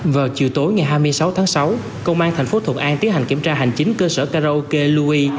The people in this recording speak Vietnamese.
vào chiều tối ngày hai mươi sáu tháng sáu công an thành phố thuận an tiến hành kiểm tra hành chính cơ sở karaoke loui